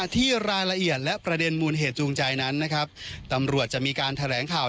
ที่รายละเอียดและประเด็นมูลเหตุจูงใจนั้นนะครับตำรวจจะมีการแถลงข่าว